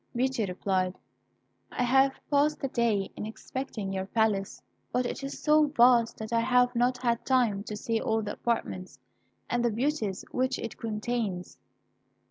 Beauty replied, "I have passed the day in inspecting your palace, but it is so vast that I have not had time to see all the apartments, and the beauties which it contains."